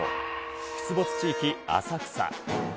出没地域、浅草。